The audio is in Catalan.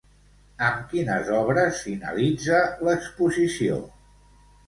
Amb quines obres finalitza l'exposició?